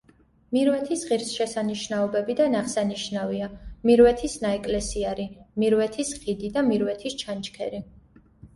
მირვეთის ღირსშესანიშნაობებიდან აღსანიშნავია: მირვეთის ნაეკლესიარი, მირვეთის ხიდი და მირვეთის ჩანჩქერი.